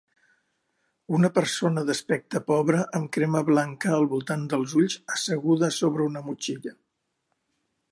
una persona d'aspecte pobre amb crema blanca al voltant dels ulls asseguda sobre una motxilla.